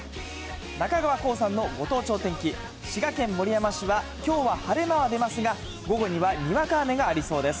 中川こうさんのご当地お天気、滋賀県守山市はきょうは晴れ間は出ますが、午後にはにわか雨がありそうです。